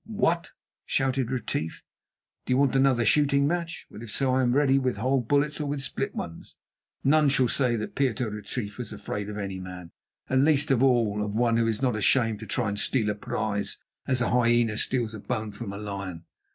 "What!" shouted Retief, "do you want another shooting match? Well, if so I am ready with whole bullets or with split ones. None shall say that Pieter Retief was afraid of any man, and, least of all, of one who is not ashamed to try to steal a prize as a hyena steals a bone from a lion.